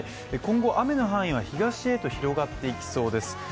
今後、雨の範囲は東へと広がっていきそうです。